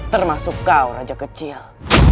termasuk kau raja kecil